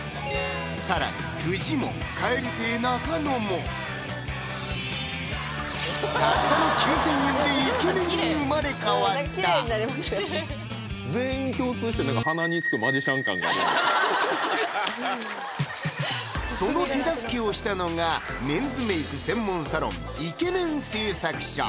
更にフジモン「蛙亭」・中野もたったの９，０００円でイケメンに生まれ変わった全員共通してその手助けをしたのがメンズメイク専門サロン